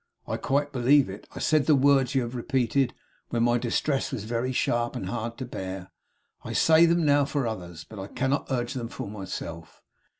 'I quite believe it. I said the words you have repeated, when my distress was very sharp and hard to bear; I say them now for others; but I cannot urge them for myself.